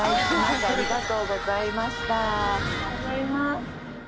ありがとうございます。